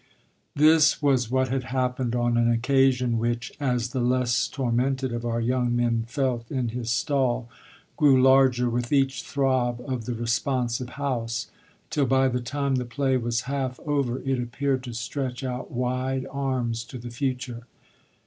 This was what had happened on an occasion which, as the less tormented of our young men felt in his stall, grew larger with each throb of the responsive house; till by the time the play was half over it appeared to stretch out wide arms to the future.